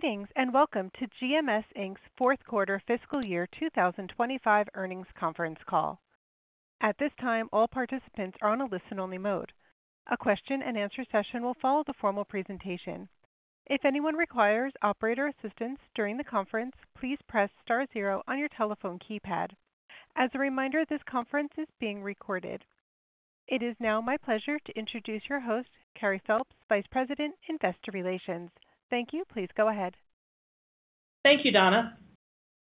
Greetings and welcome to GMS's fourth quarter fiscal year 2025 earnings conference call. At this time, all participants are on a listen-only mode. A question-and-answer session will follow the formal presentation. If anyone requires operator assistance during the conference, please press star zero on your telephone keypad. As a reminder, this conference is being recorded. It is now my pleasure to introduce your host, Carey Phelps, Vice President, Investor Relations. Thank you. Please go ahead. Thank you, Donna.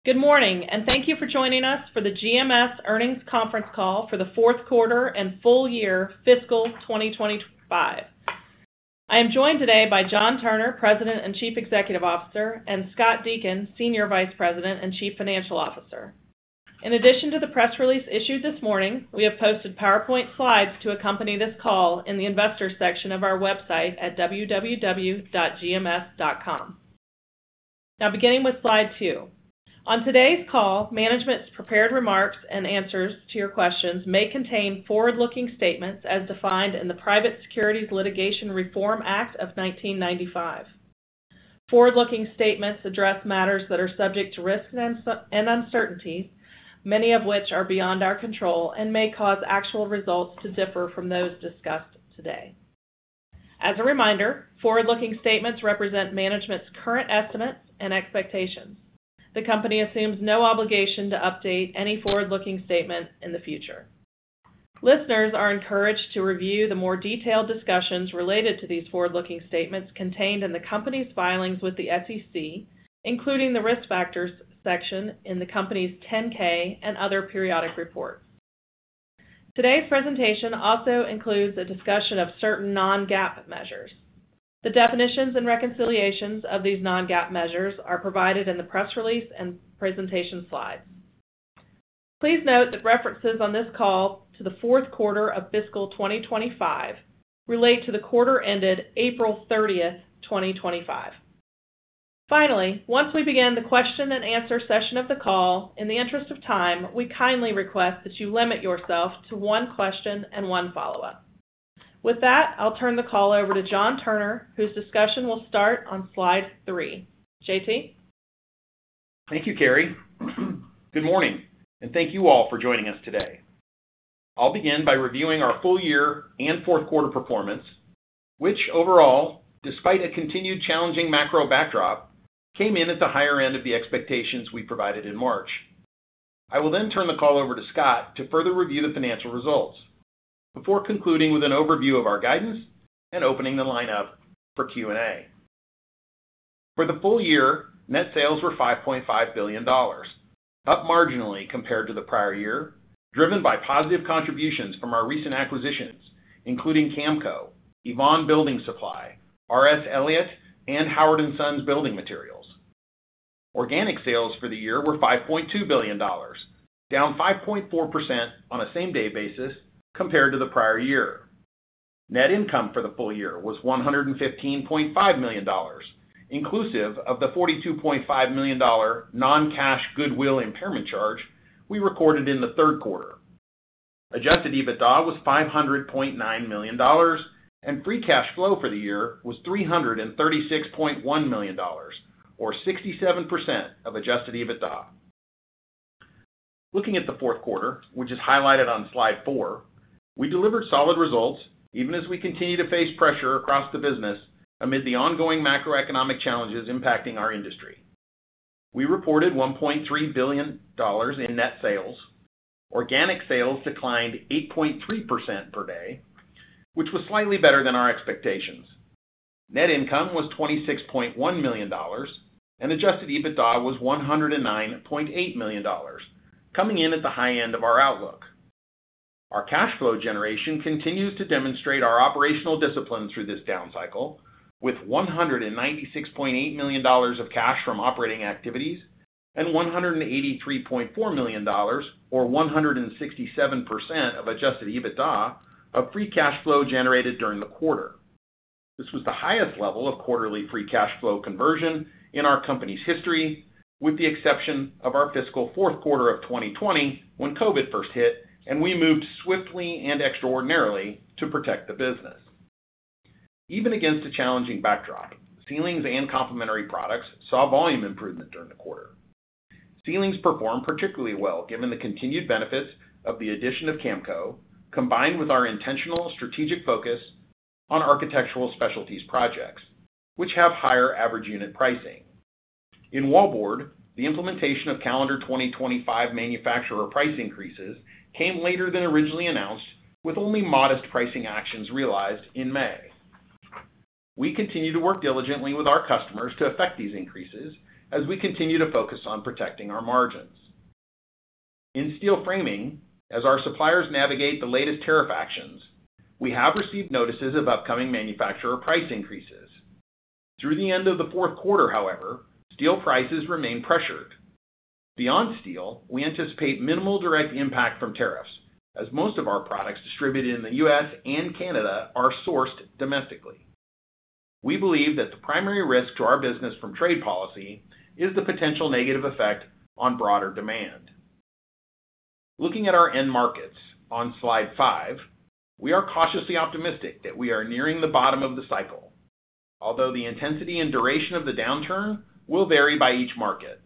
Good morning, and thank you for joining us for the GMS earnings conference call for the fourth quarter and full year fiscal 2025. I am joined today by John Turner, President and Chief Executive Officer, and Scott Deakin, Senior Vice President and Chief Financial Officer. In addition to the press release issued this morning, we have posted PowerPoint slides to accompany this call in the investor section of our website at www.gms.com. Now, beginning with slide two. On today's call, management's prepared remarks and answers to your questions may contain forward-looking statements as defined in the Private Securities Litigation Reform Act of 1995. Forward-looking statements address matters that are subject to risks and uncertainties, many of which are beyond our control and may cause actual results to differ from those discussed today. As a reminder, forward-looking statements represent management's current estimates and expectations. The company assumes no obligation to update any forward-looking statement in the future. Listeners are encouraged to review the more detailed discussions related to these forward-looking statements contained in the company's filings with the SEC, including the risk factors section in the company's 10-K and other periodic reports. Today's presentation also includes a discussion of certain non-GAAP measures. The definitions and reconciliations of these non-GAAP measures are provided in the press release and presentation slides. Please note that references on this call to the fourth quarter of fiscal 2025 relate to the quarter ended April 30, 2025. Finally, once we begin the question and answer session of the call, in the interest of time, we kindly request that you limit yourself to one question and one follow-up. With that, I'll turn the call over to John Turner, whose discussion will start on slide three. JT? Thank you, Carey. Good morning, and thank you all for joining us today. I'll begin by reviewing our full year and fourth quarter performance, which overall, despite a continued challenging macro backdrop, came in at the higher end of the expectations we provided in March. I will then turn the call over to Scott to further review the financial results before concluding with an overview of our guidance and opening the lineup for Q&A. For the full year, net sales were $5.5 billion, up marginally compared to the prior year, driven by positive contributions from our recent acquisitions, including Camco, Yvon Building Supply, R.S. Elliott, and Howard & Sons Building Materials. Organic sales for the year were $5.2 billion, down 5.4% on a same-day basis compared to the prior year. Net income for the full year was $115.5 million, inclusive of the $42.5 million non-cash goodwill impairment charge we recorded in the third quarter. Adjusted EBITDA was $500.9 million, and Free Cash Flow for the year was $336.1 million, or 67% of Adjusted EBITDA. Looking at the fourth quarter, which is highlighted on slide four, we delivered solid results even as we continue to face pressure across the business amid the ongoing macroeconomic challenges impacting our industry. We reported $1.3 billion in net sales. Organic sales declined 8.3% per day, which was slightly better than our expectations. Net income was $26.1 million, and Adjusted EBITDA was $109.8 million, coming in at the high end of our outlook. Our cash flow generation continues to demonstrate our operational discipline through this down cycle, with $196.8 million of cash from operating activities and $183.4 million, or 167% of Adjusted EBITDA, of Free Cash Flow generated during the quarter. This was the highest level of quarterly Free Cash Flow conversion in our company's history, with the exception of our fiscal fourth quarter of 2020 when COVID first hit, and we moved swiftly and extraordinarily to protect the business. Even against a challenging backdrop, ceilings and complementary products saw volume improvement during the quarter. Ceilings performed particularly well given the continued benefits of the addition of Camco, combined with our intentional strategic focus on Architectural Specialties projects, which have higher average unit pricing. In Wallboard, the implementation of calendar 2025 manufacturer price increases came later than originally announced, with only modest pricing actions realized in May. We continue to work diligently with our customers to affect these increases as we continue to focus on protecting our margins. In Steel Framing, as our suppliers navigate the latest tariff actions, we have received notices of upcoming manufacturer price increases. Through the end of the fourth quarter, however, steel prices remain pressured. Beyond steel, we anticipate minimal direct impact from tariffs, as most of our products distributed in the U.S. and Canada are sourced domestically. We believe that the primary risk to our business from trade policy is the potential negative effect on broader demand. Looking at our end markets on slide five, we are cautiously optimistic that we are nearing the bottom of the cycle, although the intensity and duration of the downturn will vary by each market.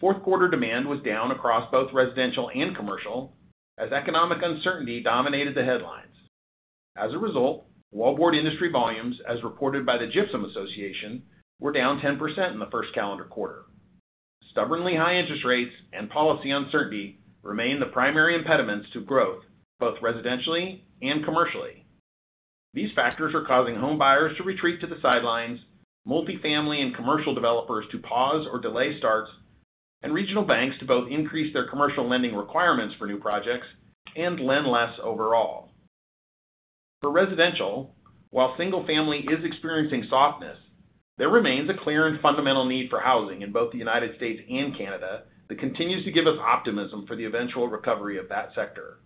Fourth quarter demand was down across both residential and commercial as economic uncertainty dominated the headlines. As a result, Wallboard industry volumes, as reported by the Gypsum Association, were down 10% in the first calendar quarter. Stubbornly high interest rates and policy uncertainty remain the primary impediments to growth both residentially and commercially. These factors are causing homebuyers to retreat to the sidelines, multifamily and commercial developers to pause or delay starts, and regional banks to both increase their commercial lending requirements for new projects and lend less overall. For residential, while single-family is experiencing softness, there remains a clear and fundamental need for housing in both the United States and Canada that continues to give us optimism for the eventual recovery of that sector.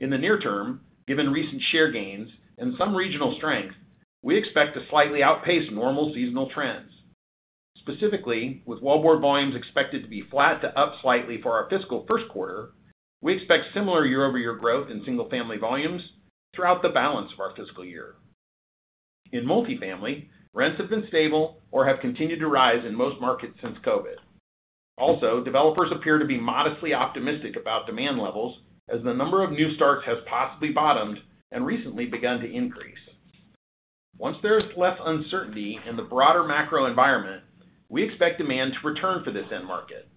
In the near term, given recent share gains and some regional strength, we expect to slightly outpace normal seasonal trends. Specifically, with Wallboard volumes expected to be flat to up slightly for our fiscal first quarter, we expect similar year-over-year growth in single-family volumes throughout the balance of our fiscal year. In multifamily, rents have been stable or have continued to rise in most markets since COVID. Also, developers appear to be modestly optimistic about demand levels as the number of new starts has possibly bottomed and recently begun to increase. Once there is less uncertainty in the broader macro environment, we expect demand to return for this end market,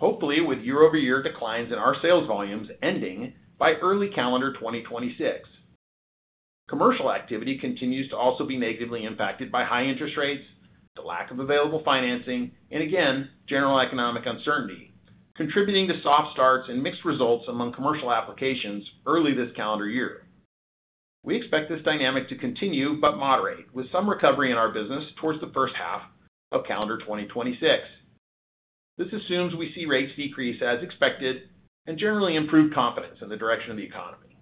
hopefully with year-over-year declines in our sales volumes ending by early calendar 2026. Commercial activity continues to also be negatively impacted by high interest rates, the lack of available financing, and again, general economic uncertainty, contributing to soft starts and mixed results among commercial applications early this calendar year. We expect this dynamic to continue but moderate with some recovery in our business towards the first half of calendar 2026. This assumes we see rates decrease as expected and generally improved confidence in the direction of the economy.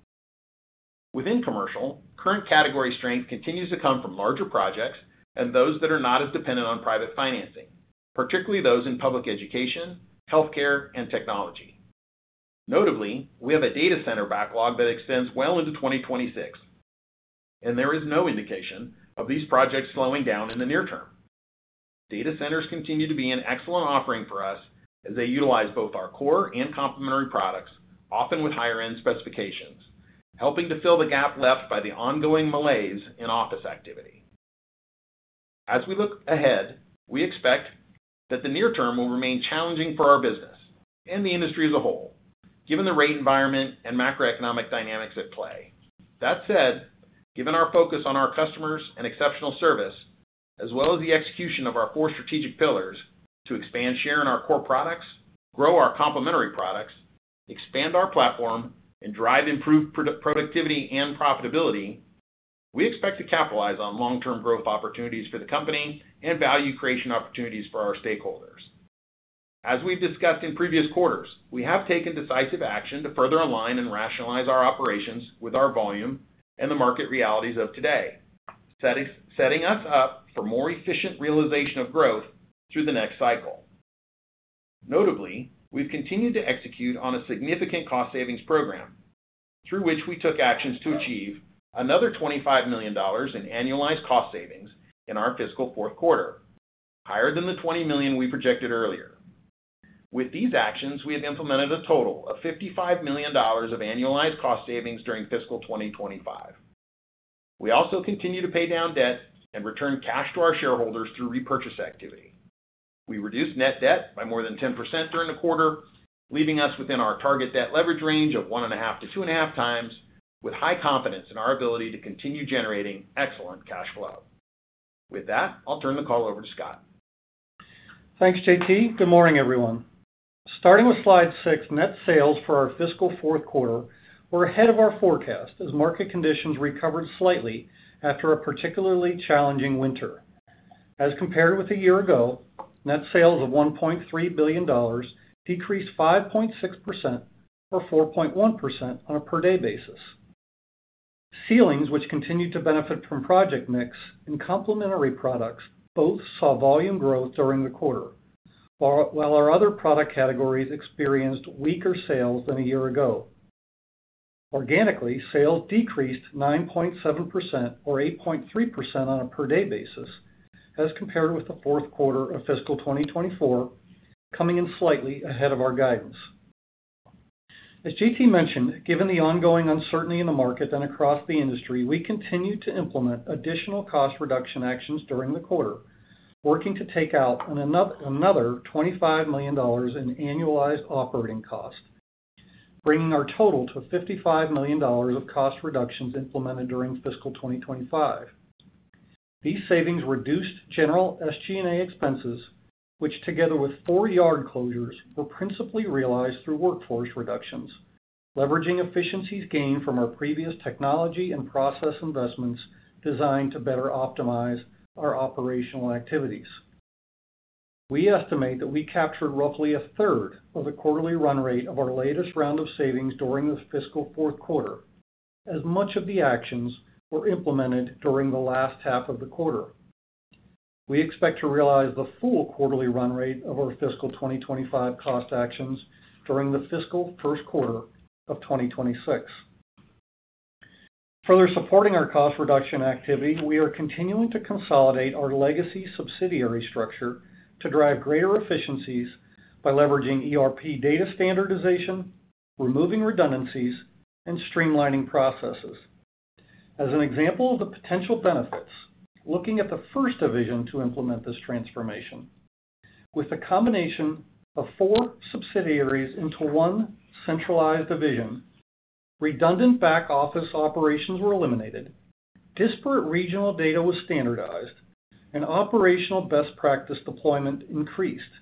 Within commercial, current category strength continues to come from larger projects and those that are not as dependent on private financing, particularly those in public education, healthcare, and technology. Notably, we have a data center backlog that extends well into 2026, and there is no indication of these projects slowing down in the near term. Data centers continue to be an excellent offering for us as they utilize both our core and complementary products, often with higher-end specifications, helping to fill the gap left by the ongoing malaise in office activity. As we look ahead, we expect that the near term will remain challenging for our business and the industry as a whole, given the rate environment and macroeconomic dynamics at play. That said, given our focus on our customers and exceptional service, as well as the execution of our four strategic pillars to expand share in our core products, grow our complementary products, expand our platform, and drive improved productivity and profitability, we expect to capitalize on long-term growth opportunities for the company and value creation opportunities for our stakeholders. As we have discussed in previous quarters, we have taken decisive action to further align and rationalize our operations with our volume and the market realities of today, setting us up for more efficient realization of growth through the next cycle. Notably, we've continued to execute on a significant cost savings program through which we took actions to achieve another $25 million in annualized cost savings in our fiscal fourth quarter, higher than the $20 million we projected earlier. With these actions, we have implemented a total of $55 million of annualized cost savings during fiscal 2025. We also continue to pay down debt and return cash to our shareholders through repurchase activity. We reduced net debt by more than 10% during the quarter, leaving us within our target debt leverage range of 1.5 to 2.5 times, with high confidence in our ability to continue generating excellent cash flow. With that, I'll turn the call over to Scott. Thanks, JT. Good morning, everyone. Starting with slide six, net sales for our fiscal fourth quarter were ahead of our forecast as market conditions recovered slightly after a particularly challenging winter. As compared with a year ago, net sales of $1.3 billion decreased 5.6% or 4.1% on a per-day basis. Ceilings, which continued to benefit from project mix and complementary products, both saw volume growth during the quarter, while our other product categories experienced weaker sales than a year ago. Organically, sales decreased 9.7% or 8.3% on a per-day basis as compared with the fourth quarter of fiscal 2024, coming in slightly ahead of our guidance. As JT mentioned, given the ongoing uncertainty in the market and across the industry, we continue to implement additional cost reduction actions during the quarter, working to take out another $25 million in annualized operating cost, bringing our total to $55 million of cost reductions implemented during fiscal 2025. These savings reduced general SG&A expenses, which together with four yard closures were principally realized through workforce reductions, leveraging efficiencies gained from our previous technology and process investments designed to better optimize our operational activities. We estimate that we captured roughly a 1/3 of the quarterly run rate of our latest round of savings during the fiscal fourth quarter, as much of the actions were implemented during the last half of the quarter. We expect to realize the full quarterly run rate of our fiscal 2025 cost actions during the fiscal first quarter of 2026. Further supporting our cost reduction activity, we are continuing to consolidate our legacy subsidiary structure to drive greater efficiencies by leveraging ERP data standardization, removing redundancies, and streamlining processes. As an example of the potential benefits, looking at the first division to implement this transformation, with the combination of four subsidiaries into one centralized division, redundant back office operations were eliminated, disparate regional data was standardized, and operational best practice deployment increased,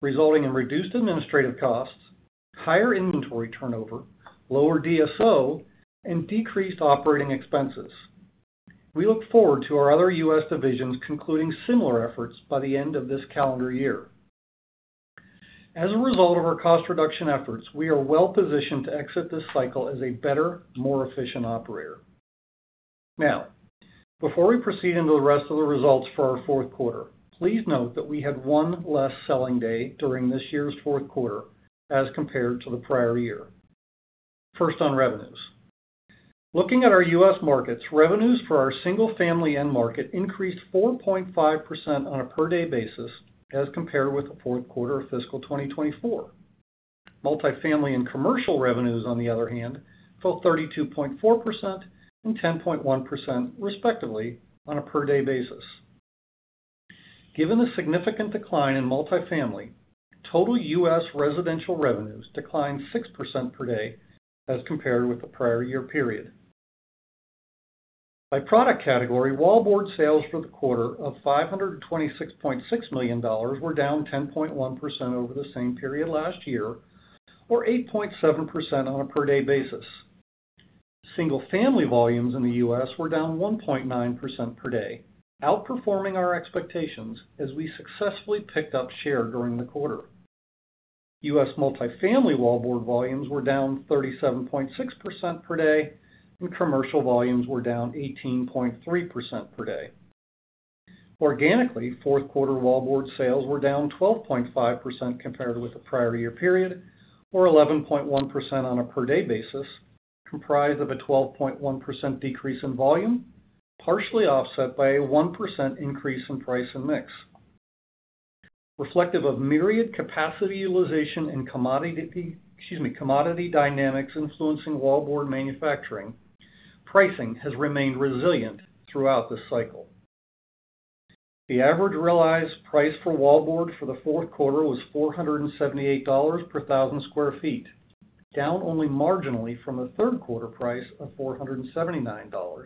resulting in reduced administrative costs, higher inventory turnover, lower DSO, and decreased operating expenses. We look forward to our other U.S. divisions concluding similar efforts by the end of this calendar year. As a result of our cost reduction efforts, we are well positioned to exit this cycle as a better, more efficient operator. Now, before we proceed into the rest of the results for our fourth quarter, please note that we had one less selling day during this year's fourth quarter as compared to the prior year. First, on revenues. Looking at our U.S. markets, revenues for our single-family end market increased 4.5% on a per-day basis as compared with the fourth quarter of fiscal 2024. Multifamily and commercial revenues, on the other hand, fell 32.4% and 10.1% respectively on a per-day basis. Given the significant decline in multifamily, total U.S. residential revenues declined 6% per day as compared with the prior year period. By product category, Wallboard sales for the quarter of $526.6 million were down 10.1% over the same period last year, or 8.7% on a per-day basis. Single-family volumes in the U.S. were down 1.9% per day, outperforming our expectations as we successfully picked up share during the quarter. U.S. Multifamily Wallboard volumes were down 37.6% per day, and commercial volumes were down 18.3% per day. Organically, fourth quarter Wallboard sales were down 12.5% compared with the prior year period, or 11.1% on a per-day basis, comprised of a 12.1% decrease in volume, partially offset by a 1% increase in price and mix. Reflective of myriad capacity utilization and commodity dynamics influencing Wallboard manufacturing, pricing has remained resilient throughout this cycle. The average realized price for Wallboard for the fourth quarter was $478 per 1,000 sq ft, down only marginally from the third quarter price of $479,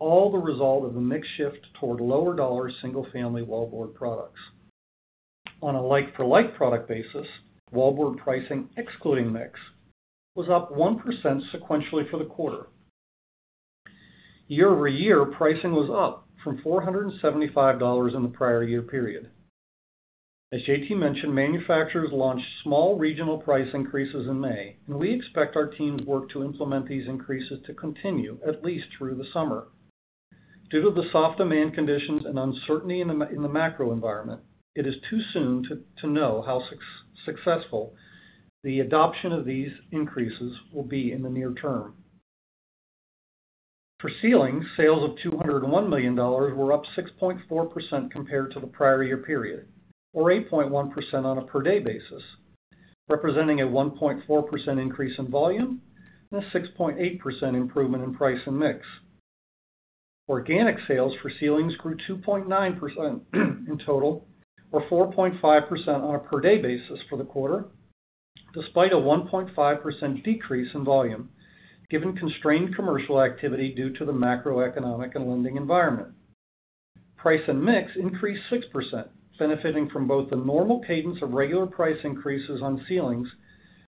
all the result of the mix shift toward lower-dollar single-family Wallboard products. On a like-for-like product basis, Wallboard pricing, excluding mix, was up 1% sequentially for the quarter. Year-over-year, pricing was up from $475 in the prior year period. As JT mentioned, manufacturers launched small regional price increases in May, and we expect our team's work to implement these increases to continue at least through the summer. Due to the soft demand conditions and uncertainty in the macro environment, it is too soon to know how successful the adoption of these increases will be in the near term. For ceilings, sales of $201 million were up 6.4% compared to the prior year period, or 8.1% on a per-day basis, representing a 1.4% increase in volume and a 6.8% improvement in price and mix. Organic sales for ceilings grew 2.9% in total, or 4.5% on a per-day basis for the quarter, despite a 1.5% decrease in volume given constrained commercial activity due to the macroeconomic and lending environment. Price and mix increased 6%, benefiting from both the normal cadence of regular price increases on ceilings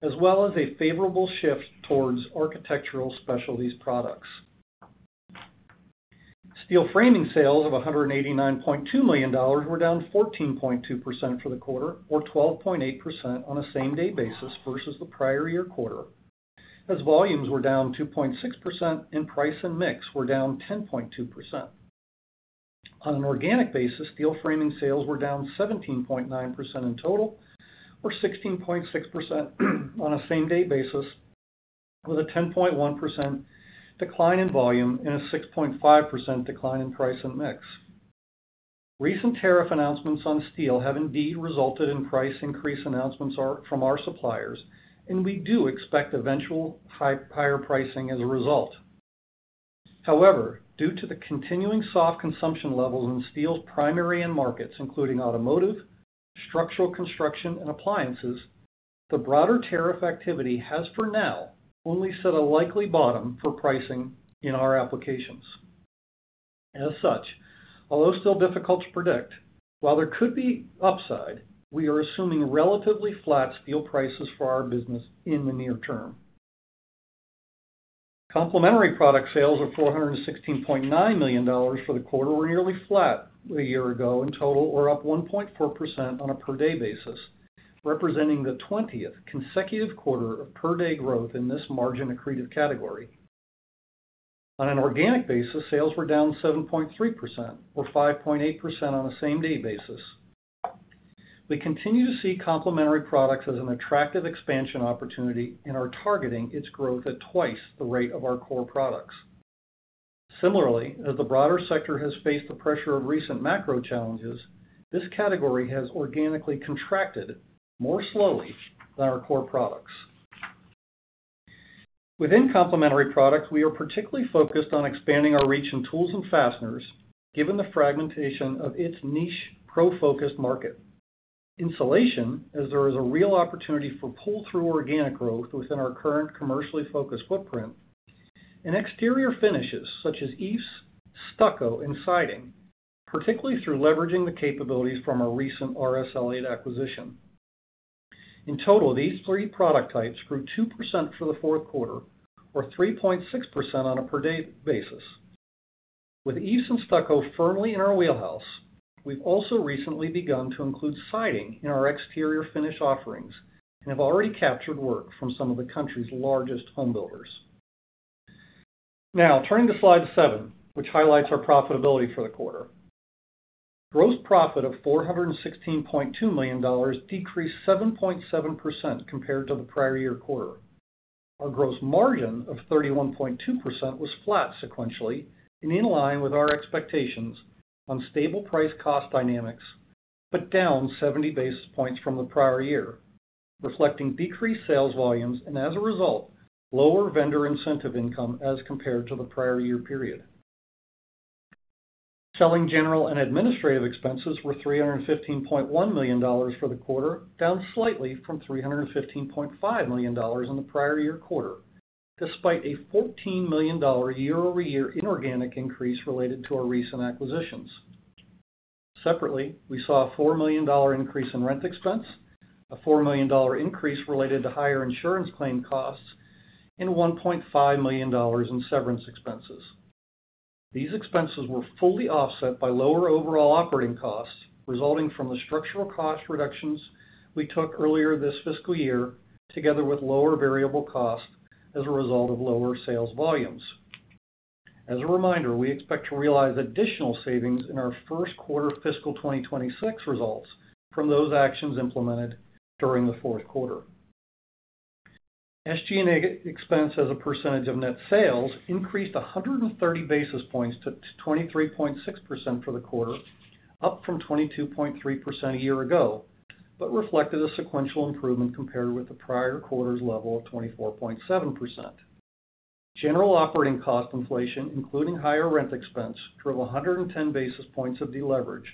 as well as a favorable shift towards Architectural Specialties products. Steel Framing sales of $189.2 million were down 14.2% for the quarter, or 12.8% on a same-day basis versus the prior year quarter, as volumes were down 2.6% and price and mix were down 10.2%. On an organic basis, Steel Framing sales were down 17.9% in total, or 16.6% on a same-day basis, with a 10.1% decline in volume and a 6.5% decline in price and mix. Recent tariff announcements on steel have indeed resulted in price increase announcements from our suppliers, and we do expect eventual higher pricing as a result. However, due to the continuing soft consumption levels in steel's primary end markets, including automotive, structural construction, and appliances, the broader tariff activity has for now only set a likely bottom for pricing in our applications. As such, although still difficult to predict, while there could be upside, we are assuming relatively flat steel prices for our business in the near term. Complementary product sales of $416.9 million for the quarter were nearly flat a year ago in total, or up 1.4% on a per-day basis, representing the 20th consecutive quarter of per-day growth in this margin accretive category. On an organic basis, sales were down 7.3% or 5.8% on a same-day basis. We continue to see complementary products as an attractive expansion opportunity and are targeting its growth at twice the rate of our core products. Similarly, as the broader sector has faced the pressure of recent macro challenges, this category has organically contracted more slowly than our core products. Within complementary products, we are particularly focused on expanding our reach in tools and fasteners, given the fragmentation of its niche pro-focused market. Insulation, as there is a real opportunity for pull-through organic growth within our current commercially focused footprint, and exterior finishes such as eaves, stucco, and siding, particularly through leveraging the capabilities from our recent R.S. Elliott acquisition. In total, these three product types grew 2% for the fourth quarter, or 3.6% on a per-day basis. With eaves and stucco firmly in our wheelhouse, we've also recently begun to include siding in our exterior finish offerings and have already captured work from some of the country's largest home builders. Now, turning to slide seven, which highlights our profitability for the quarter. Gross profit of $416.2 million decreased 7.7% compared to the prior year quarter. Our gross margin of 31.2% was flat sequentially and in line with our expectations on stable price cost dynamics, but down 70 basis points from the prior year, reflecting decreased sales volumes and, as a result, lower vendor incentive income as compared to the prior year period. Selling, general and administrative expenses were $315.1 million for the quarter, down slightly from $315.5 million in the prior year quarter, despite a $14 million year-over-year inorganic increase related to our recent acquisitions. Separately, we saw a $4 million increase in rent expense, a $4 million increase related to higher insurance claim costs, and $1.5 million in severance expenses. These expenses were fully offset by lower overall operating costs resulting from the structural cost reductions we took earlier this fiscal year, together with lower variable costs as a result of lower sales volumes. As a reminder, we expect to realize additional savings in our first quarter fiscal 2026 results from those actions implemented during the fourth quarter. SG&A expense as a percentage of net sales increased 130 basis points to 23.6% for the quarter, up from 22.3% a year ago, but reflected a sequential improvement compared with the prior quarter's level of 24.7%. General operating cost inflation, including higher rent expense, drove 110 basis points of deleverage,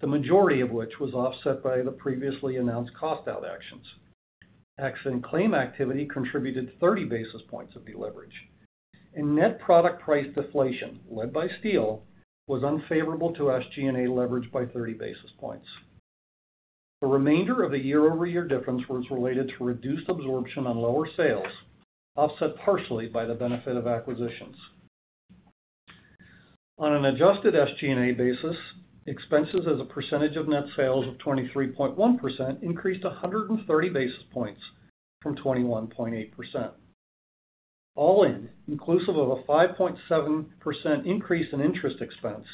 the majority of which was offset by the previously announced cost-out actions. Accident claim activity contributed 30 basis points of deleverage, and net product price deflation led by steel was unfavorable to SG&A leverage by 30 basis points. The remainder of the year-over-year difference was related to reduced absorption on lower sales, offset partially by the benefit of acquisitions. On an adjusted SG&A basis, expenses as a percentage of net sales of 23.1% increased 130 basis points from 21.8%. All in, inclusive of a 5.7% increase in interest expense,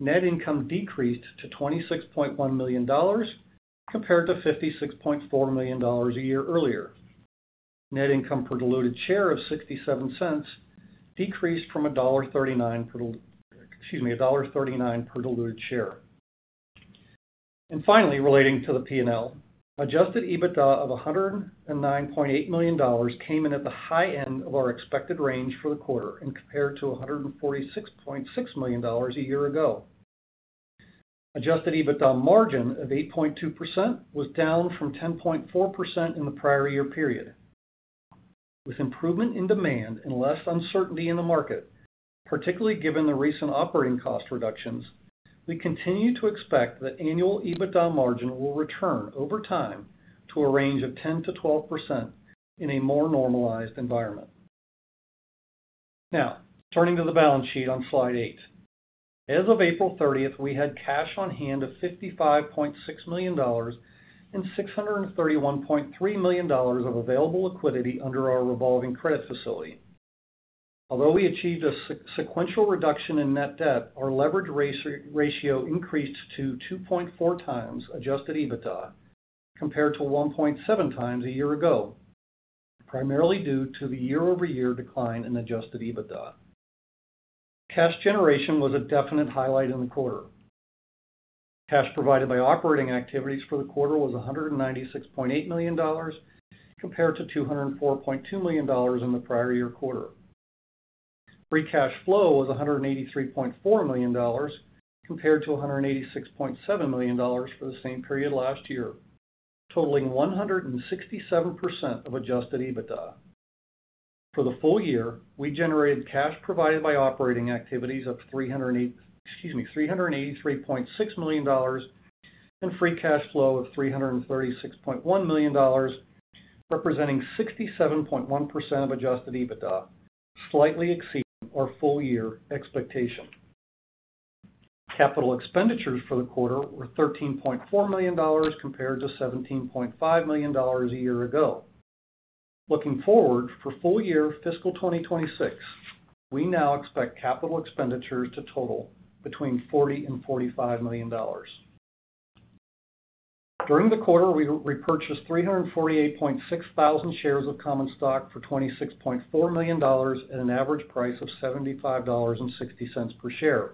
net income decreased to $26.1 million compared to $56.4 million a year earlier. Net income per diluted share of $0.67 decreased from $1.39 per diluted share. Finally, relating to the P&L, Adjusted EBITDA of $109.8 million came in at the high end of our expected range for the quarter and compared to $146.6 million a year ago. Adjusted EBITDA margin of 8.2% was down from 10.4% in the prior year period. With improvement in demand and less uncertainty in the market, particularly given the recent operating cost reductions, we continue to expect that annual EBITDA margin will return over time to a range of 10%-12% in a more normalized environment. Now, turning to the balance sheet on slide eight. As of April 30th, we had cash on hand of $55.6 million and $631.3 million of available liquidity under our revolving credit facility. Although we achieved a sequential reduction in net debt, our leverage ratio increased to 2.4 times Adjusted EBITDA compared to 1.7 times a year ago, primarily due to the year-over-year decline in Adjusted EBITDA. Cash generation was a definite highlight in the quarter. Cash provided by operating activities for the quarter was $196.8 million compared to $204.2 million in the prior year quarter. Free Cash Flow was $183.4 million compared to $186.7 million for the same period last year, totaling 167% of Adjusted EBITDA. For the full year, we generated cash provided by operating activities of $383.6 million and Free Cash Flow of $336.1 million, representing 67.1% of Adjusted EBITDA, slightly exceeding our full-year expectation. Capital expenditures for the quarter were $13.4 million compared to $17.5 million a year ago. Looking forward for full year fiscal 2026, we now expect capital expenditures to total between $40 million and $45 million. During the quarter, we repurchased 348.6 thousand shares of common stock for $26.4 million at an average price of $75.60 per share.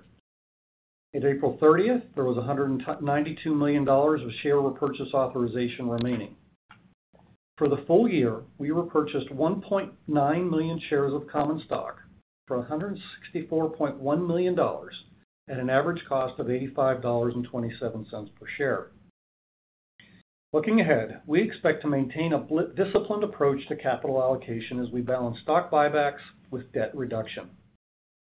At April 30th, there was $192 million of share repurchase authorization remaining. For the full year, we repurchased 1.9 million shares of common stock for $164.1 million at an average cost of $85.27 per share. Looking ahead, we expect to maintain a disciplined approach to capital allocation as we balance stock buybacks with debt reduction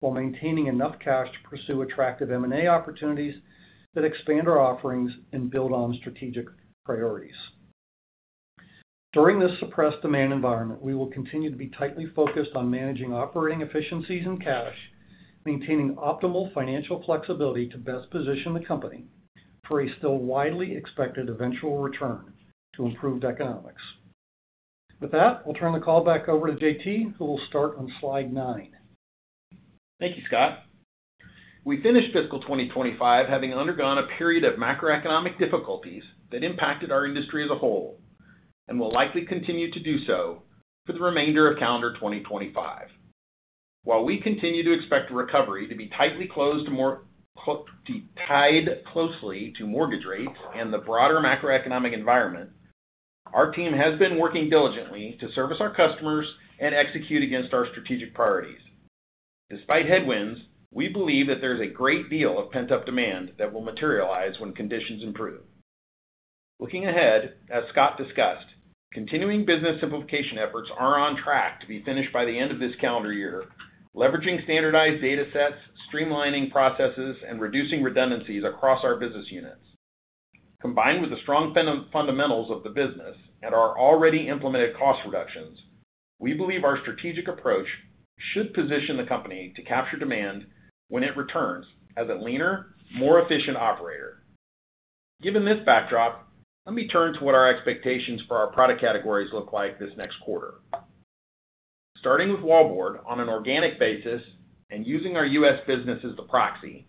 while maintaining enough cash to pursue attractive M&A opportunities that expand our offerings and build on strategic priorities. During this suppressed demand environment, we will continue to be tightly focused on managing operating efficiencies and cash, maintaining optimal financial flexibility to best position the company for a still widely expected eventual return to improved economics. With that, I'll turn the call back over to JT, who will start on slide nine. Thank you, Scott. We finished fiscal 2025 having undergone a period of macroeconomic difficulties that impacted our industry as a whole and will likely continue to do so for the remainder of calendar 2025. While we continue to expect recovery to be more tied closely to mortgage rates and the broader macroeconomic environment, our team has been working diligently to service our customers and execute against our strategic priorities. Despite headwinds, we believe that there is a great deal of pent-up demand that will materialize when conditions improve. Looking ahead, as Scott discussed, continuing business simplification efforts are on track to be finished by the end of this calendar year, leveraging standardized data sets, streamlining processes, and reducing redundancies across our business units. Combined with the strong fundamentals of the business and our already implemented cost reductions, we believe our strategic approach should position the company to capture demand when it returns as a leaner, more efficient operator. Given this backdrop, let me turn to what our expectations for our product categories look like this next quarter. Starting with Wallboard on an organic basis and using our U.S. business as the proxy,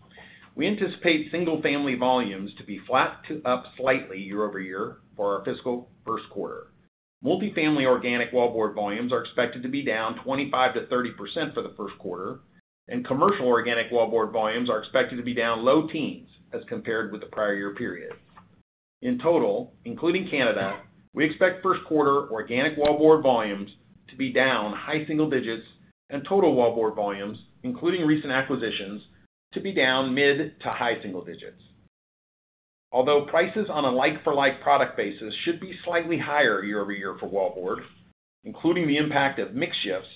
we anticipate single-family volumes to be flat to up slightly year-over-year for our fiscal first quarter. Multifamily organic Wallboard volumes are expected to be down 25%-30% for the first quarter, and commercial organic Wallboard volumes are expected to be down low teens as compared with the prior year period. In total, including Canada, we expect first quarter organic Wallboard volumes to be down high single digits and total Wallboard volumes, including recent acquisitions, to be down mid to high single digits. Although prices on a like-for-like product basis should be slightly higher year-over-year for Wallboard, including the impact of mix shifts,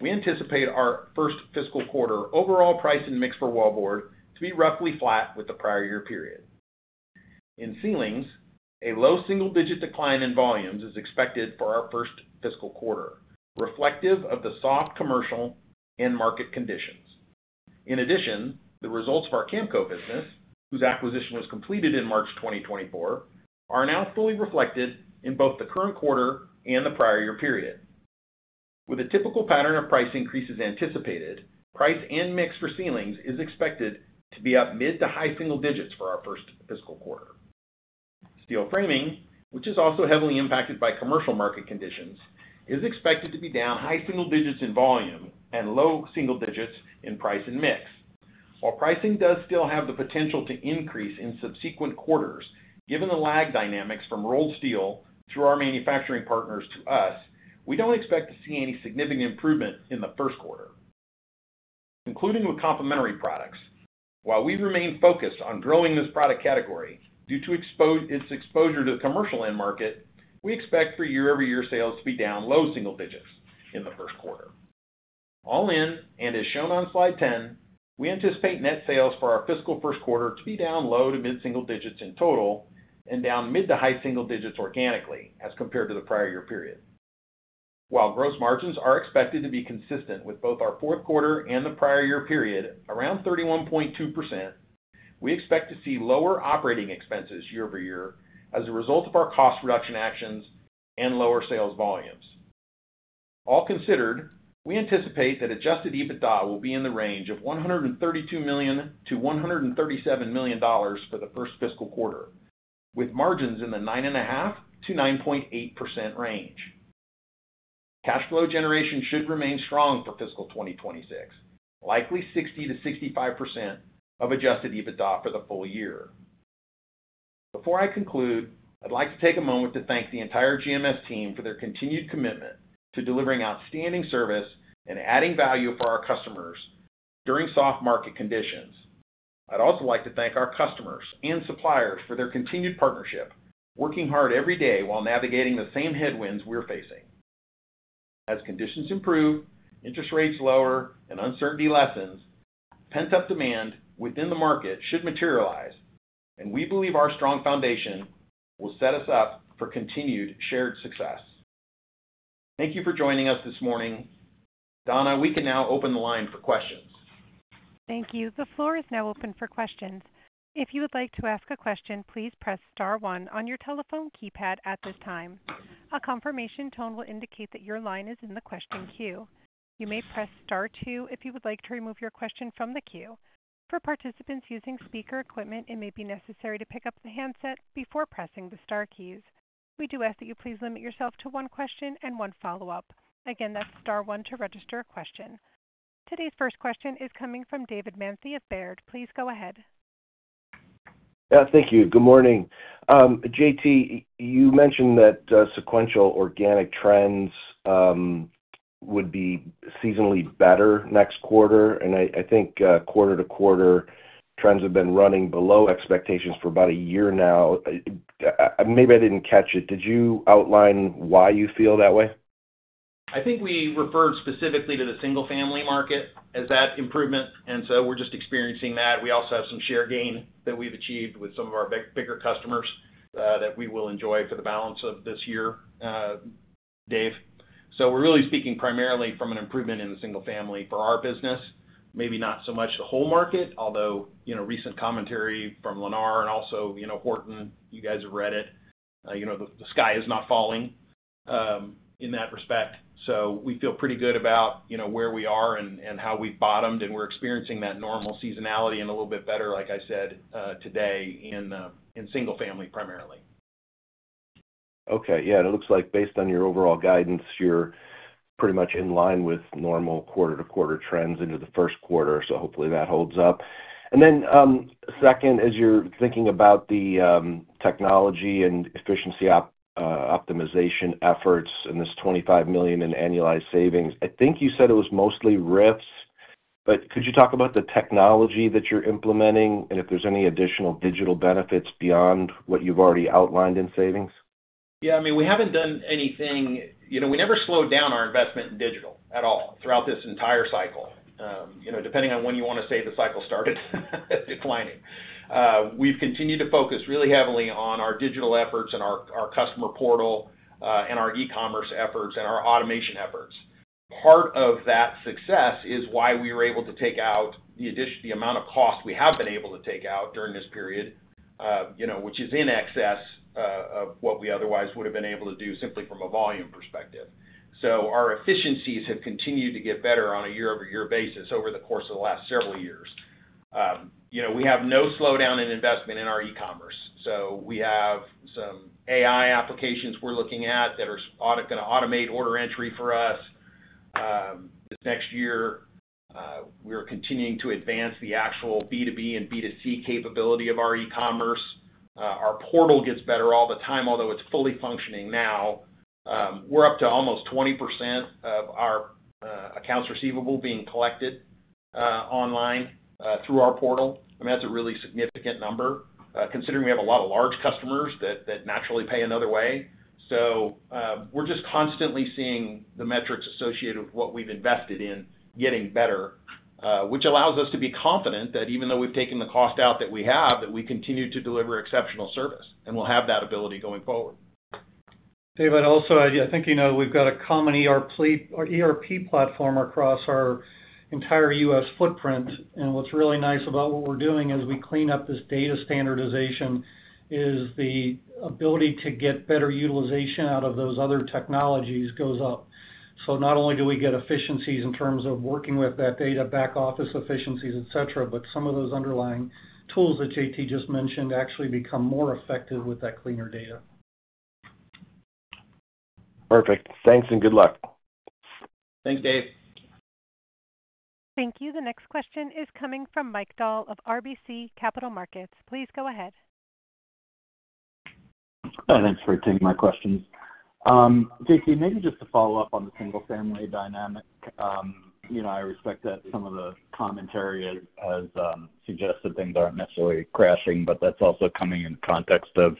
we anticipate our first fiscal quarter overall price and mix for Wallboard to be roughly flat with the prior year period. In ceilings, a low single-digit decline in volumes is expected for our first fiscal quarter, reflective of the soft commercial and market conditions. In addition, the results of our Camco business, whose acquisition was completed in March 2024, are now fully reflected in both the current quarter and the prior year period. With a typical pattern of price increases anticipated, price and mix for ceilings is expected to be up mid to high single digits for our first fiscal quarter. Steel Framing, which is also heavily impacted by commercial market conditions, is expected to be down high single digits in volume and low single digits in price and mix. While pricing does still have the potential to increase in subsequent quarters, given the lag dynamics from rolled steel through our manufacturing partners to us, we don't expect to see any significant improvement in the first quarter. Including with complementary products, while we remain focused on growing this product category due to its exposure to the commercial end market, we expect for year-over-year sales to be down low single digits in the first quarter. All in, and as shown on slide 10, we anticipate net sales for our fiscal first quarter to be down low to mid single digits in total and down mid to high single digits organically as compared to the prior year period. While gross margins are expected to be consistent with both our fourth quarter and the prior year period, around 31.2%, we expect to see lower operating expenses year-over-year as a result of our cost reduction actions and lower sales volumes. All considered, we anticipate that Adjusted EBITDA will be in the range of $132 million-$137 million for the first fiscal quarter, with margins in the 9.5%-9.8% range. Cash flow generation should remain strong for fiscal 2026, likely 60%-65% of Adjusted EBITDA for the full year. Before I conclude, I'd like to take a moment to thank the entire GMS team for their continued commitment to delivering outstanding service and adding value for our customers during soft market conditions. I'd also like to thank our customers and suppliers for their continued partnership, working hard every day while navigating the same headwinds we're facing. As conditions improve, interest rates lower, and uncertainty lessens, pent-up demand within the market should materialize, and we believe our strong foundation will set us up for continued shared success. Thank you for joining us this morning. Donna, we can now open the line for questions. Thank you. The floor is now open for questions. If you would like to ask a question, please press star one on your telephone keypad at this time. A confirmation tone will indicate that your line is in the question queue. You may press star two if you would like to remove your question from the queue. For participants using speaker equipment, it may be necessary to pick up the handset before pressing the star keys. We do ask that you please limit yourself to one question and one follow-up. Again, that's star one to register a question. Today's first question is coming from David Manthey of Baird. Please go ahead. Yeah, thank you. Good morning. JT, you mentioned that sequential organic trends would be seasonally better next quarter, and I think quarter to quarter trends have been running below expectations for about a year now. Maybe I didn't catch it. Did you outline why you feel that way? I think we referred specifically to the single-family market as that improvement, and so we're just experiencing that. We also have some share gain that we've achieved with some of our bigger customers that we will enjoy for the balance of this year, Dave. So we're really speaking primarily from an improvement in the single-family for our business, maybe not so much the whole market, although recent commentary from Lennar and also Horton, you guys have read it. The sky is not falling in that respect. We feel pretty good about where we are and how we've bottomed, and we're experiencing that normal seasonality and a little bit better, like I said, today in single-family primarily. Okay. Yeah. It looks like based on your overall guidance, you're pretty much in line with normal quarter to quarter trends into the first quarter, so hopefully that holds up. Second is you're thinking about the technology and efficiency optimization efforts and this $25 million in annualized savings, I think you said it was mostly RIFs, but could you talk about the technology that you're implementing and if there's any additional digital benefits beyond what you've already outlined in savings? Yeah. I mean, we haven't done anything. We never slowed down our investment in digital at all throughout this entire cycle. Depending on when you want to say the cycle started, declining. We've continued to focus really heavily on our digital efforts and our customer portal and our e-commerce efforts and our automation efforts. Part of that success is why we were able to take out the amount of cost we have been able to take out during this period, which is in excess of what we otherwise would have been able to do simply from a volume perspective. Our efficiencies have continued to get better on a year-over-year basis over the course of the last several years. We have no slowdown in investment in our e-commerce. We have some AI applications we're looking at that are going to automate order entry for us this next year. We are continuing to advance the actual B2B and B2C capability of our e-commerce. Our portal gets better all the time, although it's fully functioning now. We're up to almost 20% of our accounts receivable being collected online through our portal. I mean, that's a really significant number considering we have a lot of large customers that naturally pay another way. We're just constantly seeing the metrics associated with what we've invested in getting better, which allows us to be confident that even though we've taken the cost out that we have, we continue to deliver exceptional service and we'll have that ability going forward. Dave, I'd also add, I think we've got a common ERP platform across our entire U.S. footprint. What's really nice about what we're doing as we clean up this data standardization is the ability to get better utilization out of those other technologies goes up. Not only do we get efficiencies in terms of working with that data, back office efficiencies, etc., but some of those underlying tools that JT just mentioned actually become more effective with that cleaner data. Perfect. Thanks and good luck. Thanks, Dave. Thank you. The next question is coming from Mike Dahl of RBC Capital Markets. Please go ahead. Thanks for taking my questions. JT, maybe just to follow up on the single-family dynamic, I respect that some of the commentary has suggested things aren't necessarily crashing, but that's also coming in the context of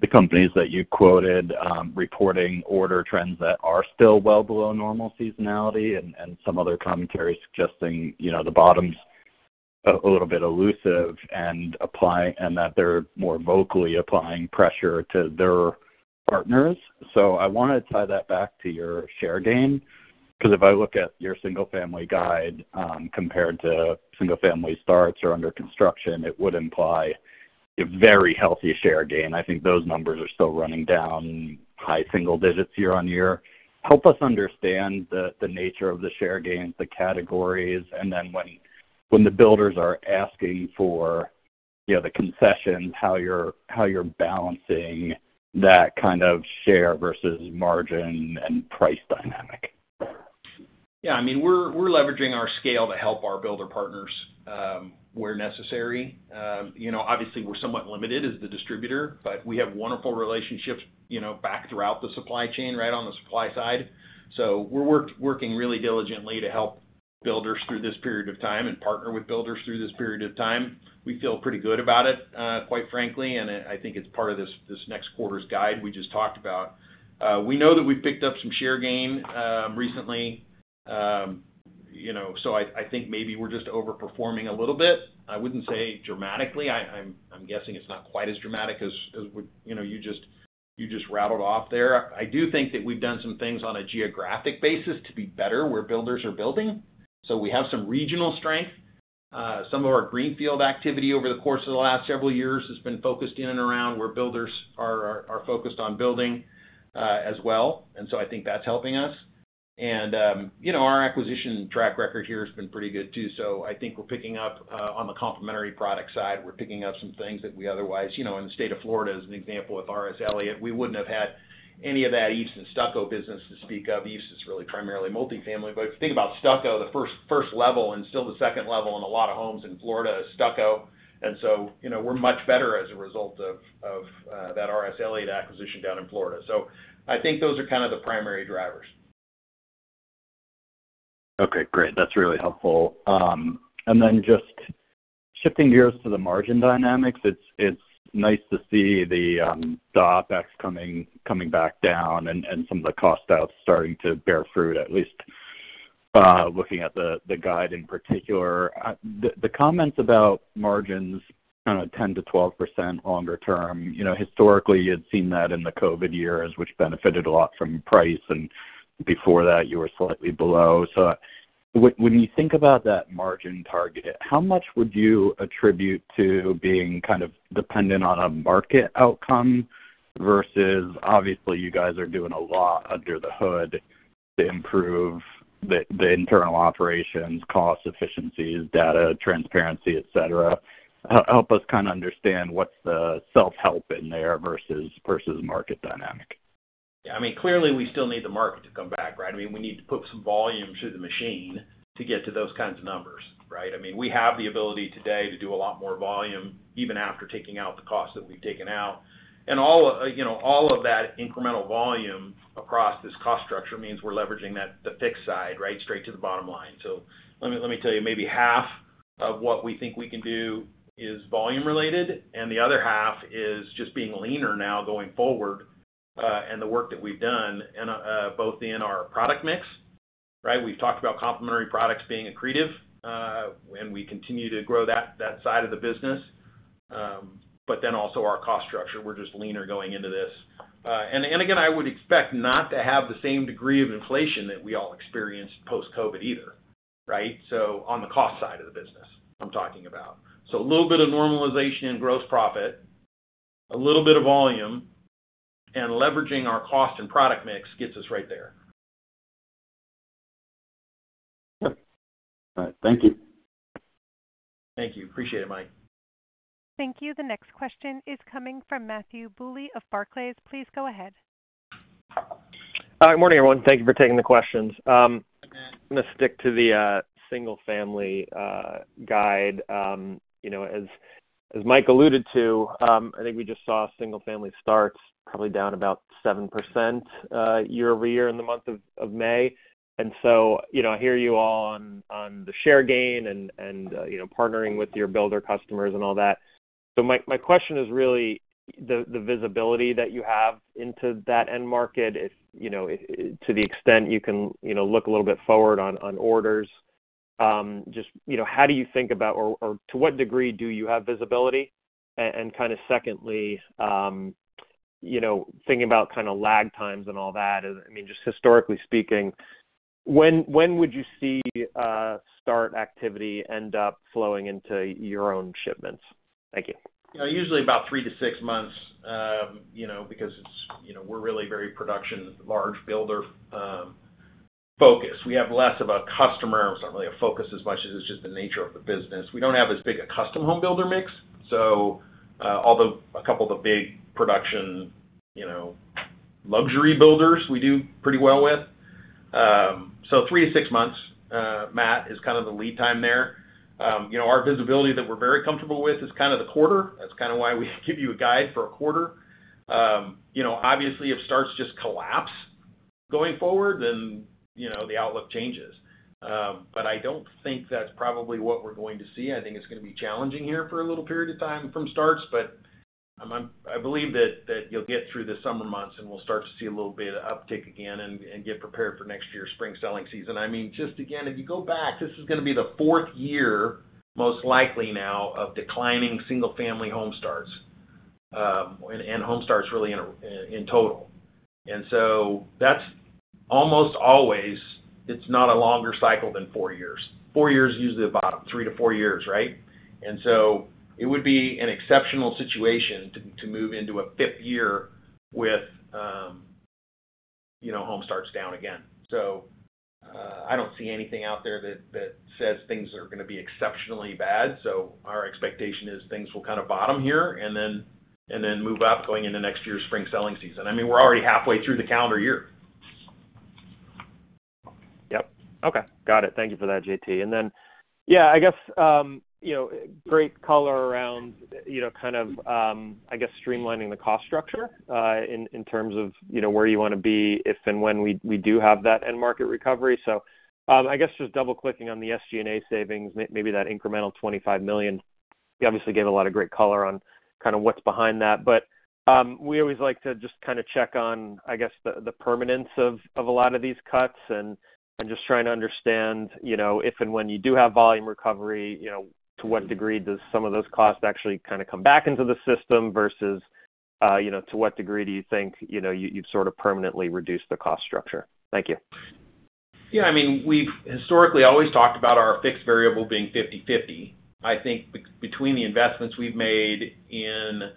the companies that you quoted reporting order trends that are still well below normal seasonality and some other commentary suggesting the bottom's a little bit elusive and that they're more vocally applying pressure to their partners. I want to tie that back to your share gain because if I look at your single-family guide compared to single-family starts or under construction, it would imply a very healthy share gain. I think those numbers are still running down high single digits year on year. Help us understand the nature of the share gains, the categories, and then when the builders are asking for the concessions, how you're balancing that kind of share versus margin and price dynamic. Yeah.I mean, we're leveraging our scale to help our builder partners where necessary. Obviously, we're somewhat limited as the distributor, but we have wonderful relationships back throughout the supply chain, right on the supply side. We're working really diligently to help builders through this period of time and partner with builders through this period of time. We feel pretty good about it, quite frankly, and I think it's part of this next quarter's guide we just talked about. We know that we've picked up some share gain recently, so I think maybe we're just overperforming a little bit. I wouldn't say dramatically. I'm guessing it's not quite as dramatic as you just rattled off there. I do think that we've done some things on a geographic basis to be better where builders are building. We have some regional strength. Some of our greenfield activity over the course of the last several years has been focused in and around where builders are focused on building as well. I think that's helping us. Our acquisition track record here has been pretty good too. I think we're picking up on the complementary product side. We're picking up some things that we otherwise, in the state of Florida, as an example with R.S. Elliott, we wouldn't have had any of that eaves and stucco business to speak of. Eaves is really primarily multifamily. If you think about stucco, the first level and still the second level in a lot of homes in Florida is stucco. We're much better as a result of that R.S. Elliott acquisition down in Florida. I think those are kind of the primary drivers. Okay. Great. That's really helpful. Just shifting gears to the margin dynamics, it's nice to see the DOPX coming back down and some of the cost outs starting to bear fruit, at least looking at the guide in particular. The comments about margins kind of 10-12% longer term. Historically, you had seen that in the COVID years, which benefited a lot from price, and before that, you were slightly below. When you think about that margin target, how much would you attribute to being kind of dependent on a market outcome versus, obviously, you guys are doing a lot under the hood to improve the internal operations, cost efficiencies, data, transparency, etc.? Help us kind of understand what's the self-help in there versus market dynamic. Yeah. I mean, clearly, we still need the market to come back, right? I mean, we need to put some volume through the machine to get to those kinds of numbers, right? I mean, we have the ability today to do a lot more volume even after taking out the cost that we've taken out. And all of that incremental volume across this cost structure means we're leveraging the fixed side, right, straight to the bottom line. Let me tell you, maybe half of what we think we can do is volume-related, and the other half is just being leaner now going forward and the work that we've done both in our product mix, right? We've talked about complementary products being accretive when we continue to grow that side of the business, but then also our cost structure. We're just leaner going into this. I would expect not to have the same degree of inflation that we all experienced post-COVID either, right? On the cost side of the business I'm talking about. A little bit of normalization in gross profit, a little bit of volume, and leveraging our cost and product mix gets us right there. All right. Thank you. Thank you. Appreciate it, Mike. Thank you. The next question is coming from Matthew Bouley of Barclays. Please go ahead. Good morning, everyone. Thank you for taking the questions. I'm going to stick to the single-family guide. As Mike alluded to, I think we just saw single-family starts probably down about 7% year-over-year in the month of May. I hear you all on the share gain and partnering with your builder customers and all that. My question is really the visibility that you have into that end market, to the extent you can look a little bit forward on orders. Just how do you think about or to what degree do you have visibility? Kind of secondly, thinking about kind of lag times and all that, I mean, just historically speaking, when would you see start activity end up flowing into your own shipments? Thank you. Usually about three to six months because we're really very production-large builder focused. We have less of a customer—it's not really a focus as much as it's just the nature of the business. We do not have as big a custom home builder mix, so although a couple of the big production luxury builders we do pretty well with. Three to six months, Matt, is kind of the lead time there. Our visibility that we're very comfortable with is kind of the quarter. That's kind of why we give you a guide for a quarter. Obviously, if starts just collapse going forward, then the outlook changes. I don't think that's probably what we're going to see. I think it's going to be challenging here for a little period of time from starts, but I believe that you'll get through the summer months and we'll start to see a little bit of uptick again and get prepared for next year's spring selling season. I mean, just again, if you go back, this is going to be the fourth year most likely now of declining single-family home starts and home starts really in total. That's almost always—it's not a longer cycle than four years. Four years is usually about three to four years, right? It would be an exceptional situation to move into a fifth year with home starts down again. I do not see anything out there that says things are going to be exceptionally bad. Our expectation is things will kind of bottom here and then move up going into next year's spring selling season. I mean, we are already halfway through the calendar year. Yep. Okay. Got it. Thank you for that, JT. Great color around kind of, I guess, streamlining the cost structure in terms of where you want to be if and when we do have that end market recovery. Just double-clicking on the SG&A savings, maybe that incremental $25 million. You obviously gave a lot of great color on kind of what is behind that. We always like to just kind of check on, I guess, the permanence of a lot of these cuts and just trying to understand if and when you do have volume recovery, to what degree does some of those costs actually kind of come back into the system versus to what degree do you think you've sort of permanently reduced the cost structure? Thank you. Yeah. I mean, we've historically always talked about our fixed variable being 50/50. I think between the investments we've made in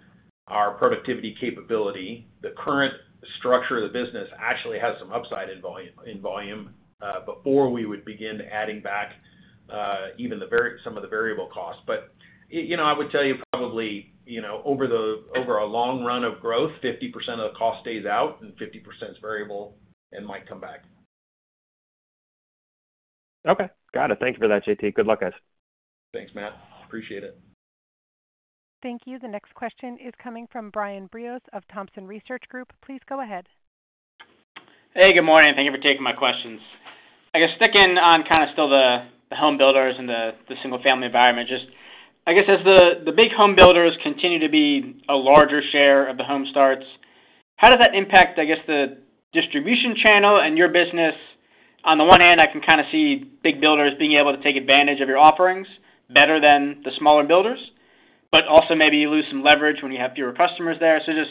our productivity capability, the current structure of the business actually has some upside in volume before we would begin adding back even some of the variable costs. I would tell you probably over a long run of growth, 50% of the cost stays out and 50% is variable and might come back. Okay. Got it. Thank you for that, JT. Good luck, guys. Thanks, Matt. Appreciate it. Thank you. The next question is coming from Brian Biros of Thompson Research Group. Please go ahead. Hey, good morning. Thank you for taking my questions. I guess sticking on kind of still the home builders and the single-family environment, just I guess as the big home builders continue to be a larger share of the home starts, how does that impact, I guess, the distribution channel and your business? On the one hand, I can kind of see big builders being able to take advantage of your offerings better than the smaller builders, but also maybe lose some leverage when you have fewer customers there. Just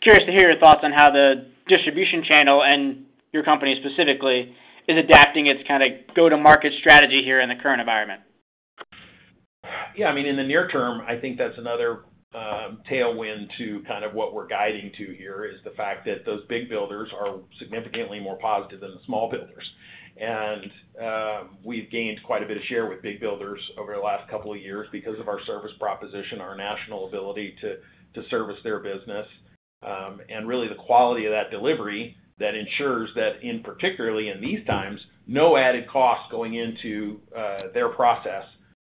curious to hear your thoughts on how the distribution channel and your company specifically is adapting its kind of go-to-market strategy here in the current environment. Yeah. I mean, in the near term, I think that's another tailwind to kind of what we're guiding to here is the fact that those big builders are significantly more positive than the small builders. We've gained quite a bit of share with big builders over the last couple of years because of our service proposition, our national ability to service their business, and really the quality of that delivery that ensures that, particularly in these times, no added cost going into their process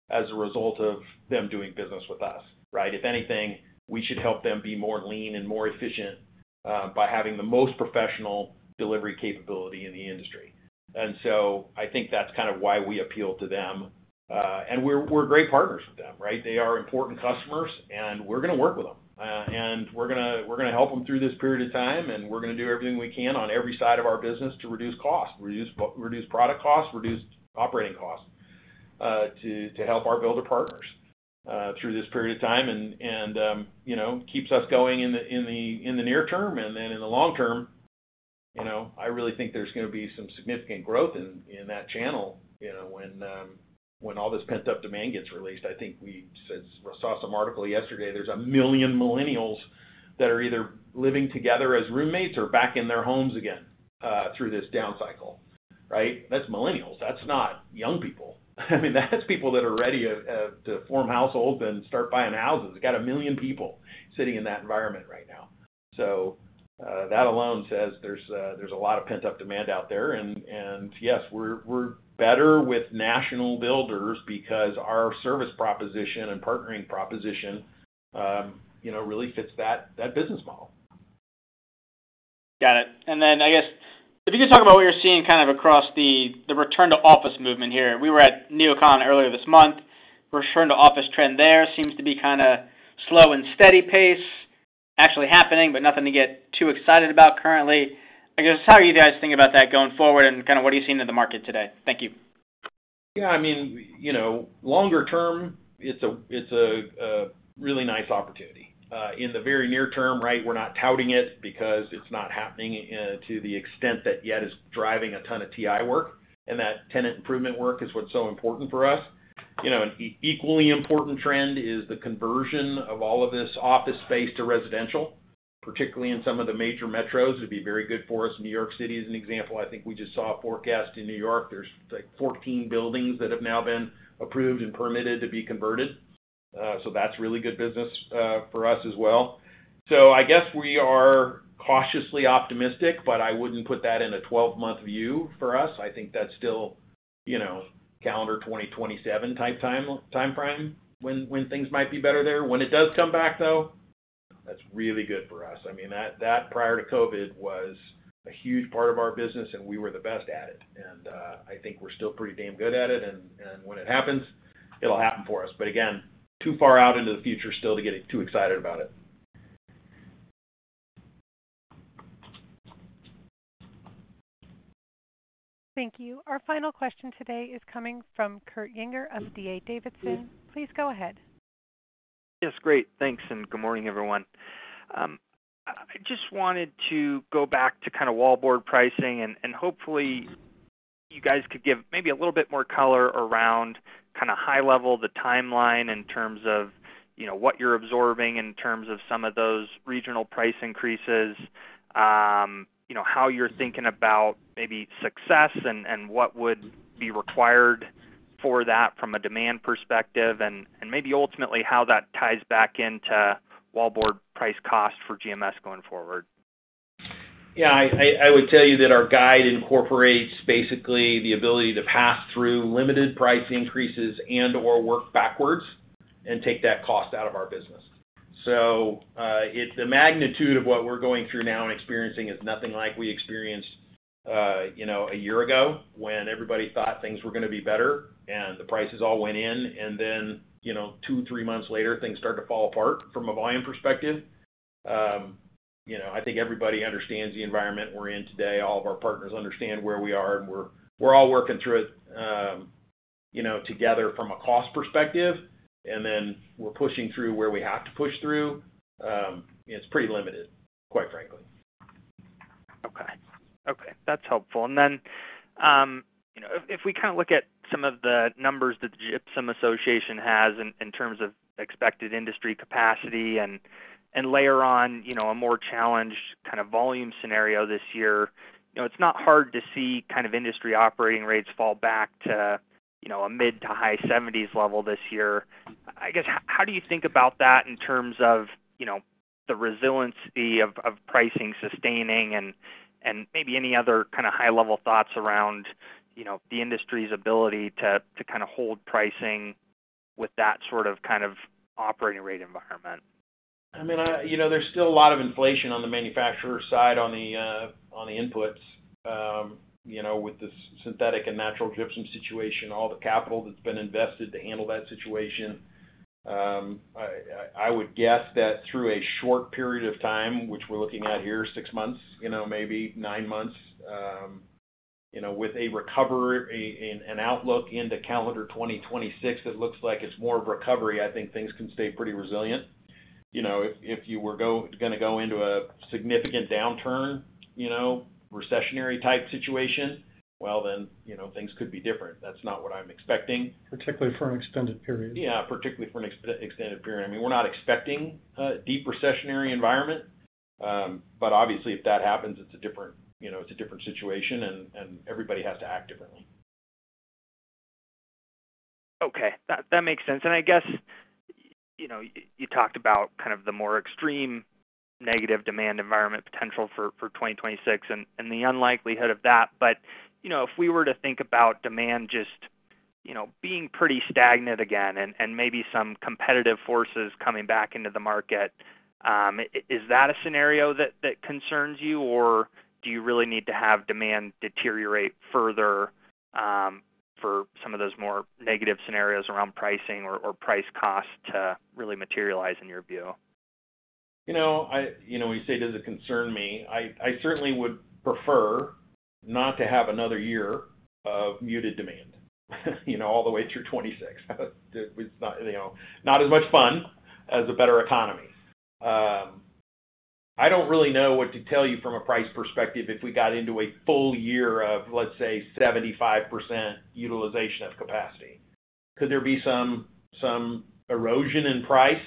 as a result of them doing business with us, right? If anything, we should help them be more lean and more efficient by having the most professional delivery capability in the industry. I think that's kind of why we appeal to them. We're great partners with them, right? They are important customers, and we're going to work with them. We're going to help them through this period of time, and we're going to do everything we can on every side of our business to reduce cost, reduce product cost, reduce operating cost to help our builder partners through this period of time and keeps us going in the near term. In the long term, I really think there's going to be some significant growth in that channel when all this pent-up demand gets released. I think we saw some article yesterday. There's a million millennials that are either living together as roommates or back in their homes again through this down cycle, right? That's millennials. That's not young people. I mean, that's people that are ready to form households and start buying houses. Got a million people sitting in that environment right now. That alone says there's a lot of pent-up demand out there. Yes, we're better with national builders because our service proposition and partnering proposition really fits that business model. Got it. I guess if you could talk about what you're seeing kind of across the return to office movement here. We were at NeoCon earlier this month. Return to office trend there seems to be kind of slow and steady pace actually happening, but nothing to get too excited about currently. I guess how are you guys thinking about that going forward and kind of what are you seeing in the market today? Thank you. Yeah. I mean, longer term, it's a really nice opportunity. In the very near term, right, we're not touting it because it's not happening to the extent that yet is driving a ton of TI work, and that tenant improvement work is what's so important for us. An equally important trend is the conversion of all of this office space to residential, particularly in some of the major metros. It'd be very good for us. New York City is an example. I think we just saw a forecast in New York. There's like 14 buildings that have now been approved and permitted to be converted. That's really good business for us as well. I guess we are cautiously optimistic, but I wouldn't put that in a 12-month view for us. I think that's still calendar 2027 type timeframe when things might be better there. When it does come back, though, that's really good for us. I mean, that prior to COVID was a huge part of our business, and we were the best at it. I think we're still pretty damn good at it. When it happens, it'll happen for us. Again, too far out into the future still to get too excited about it. Thank you. Our final question today is coming from Kurt Yinger of DA Davidson. Please go ahead. Yes. Great. Thanks. And good morning, everyone. I just wanted to go back to kind of Wallboard pricing, and hopefully, you guys could give maybe a little bit more color around kind of high-level the timeline in terms of what you're absorbing in terms of some of those regional price increases, how you're thinking about maybe success, and what would be required for that from a demand perspective, and maybe ultimately how that ties back into Wallboard price cost for GMS going forward. Yeah. I would tell you that our guide incorporates basically the ability to pass through limited price increases and/or work backwards and take that cost out of our business. The magnitude of what we're going through now and experiencing is nothing like we experienced a year ago when everybody thought things were going to be better and the prices all went in. Then two, three months later, things start to fall apart from a volume perspective. I think everybody understands the environment we're in today. All of our partners understand where we are, and we're all working through it together from a cost perspective. We're pushing through where we have to push through. It's pretty limited, quite frankly. Okay. Okay. That's helpful. If we kind of look at some of the numbers that the Gypsum Association has in terms of expected industry capacity and layer on a more challenged kind of volume scenario this year, it's not hard to see kind of industry operating rates fall back to a mid to high 70s level this year. I guess how do you think about that in terms of the resiliency of pricing sustaining and maybe any other kind of high-level thoughts around the industry's ability to kind of hold pricing with that sort of kind of operating rate environment? I mean, there's still a lot of inflation on the manufacturer side on the inputs with the Synthetic Gypsum and Natural Gypsum situation, all the capital that's been invested to handle that situation. I would guess that through a short period of time, which we're looking at here, six months, maybe nine months, with a recovery and outlook into calendar 2026, it looks like it's more of a recovery. I think things can stay pretty resilient. If you were going to go into a significant downturn, recessionary-type situation, that could be different. That's not what I'm expecting. Particularly for an extended period. Yeah. Particularly for an extended period. I mean, we're not expecting a deep recessionary environment, but obviously, if that happens, it's a different situation, and everybody has to act differently. Okay. That makes sense. I guess you talked about kind of the more extreme negative demand environment potential for 2026 and the unlikelihood of that. If we were to think about demand just being pretty stagnant again and maybe some competitive forces coming back into the market, is that a scenario that concerns you, or do you really need to have demand deteriorate further for some of those more negative scenarios around pricing or price cost to really materialize in your view? You know, when you say it does not concern me, I certainly would prefer not to have another year of muted demand all the way through 2026. It is not as much fun as a better economy. I do not really know what to tell you from a price perspective if we got into a full year of, let us say, 75% utilization of capacity. Could there be some erosion in price?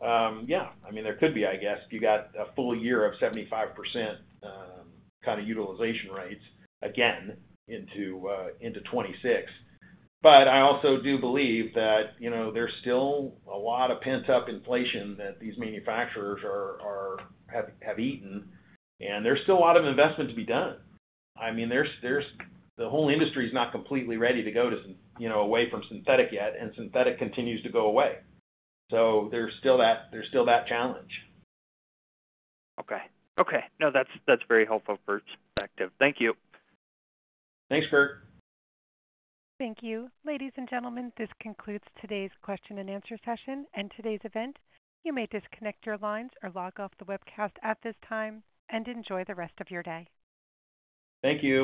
Yeah. I mean, there could be, I guess, if you got a full year of 75% kind of utilization rates again into 2026. I also do believe that there's still a lot of pent-up inflation that these manufacturers have eaten, and there's still a lot of investment to be done. I mean, the whole industry is not completely ready to go away from synthetic yet, and synthetic continues to go away. So there's still that challenge. Okay. Okay. No, that's very helpful perspective. Thank you. Thanks, Kurt. Thank you. Ladies and gentlemen, this concludes today's question and answer session and today's event. You may disconnect your lines or log off the webcast at this time and enjoy the rest of your day. Thank you.